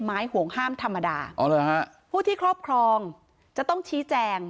ไม้ห่วงห้ามธรรมดาพวกที่ครอบครองจะต้องชี้แจง